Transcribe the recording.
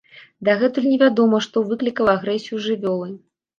Дагэтуль невядома, што выклікала агрэсію жывёлы.